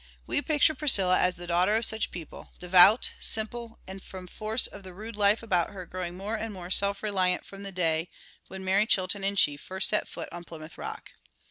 We picture Priscilla as the daughter of such people, devout, simple, and from force of the rude life about her growing more and more self reliant from the day when Mary Chilton and she first set foot on Plymouth Rock.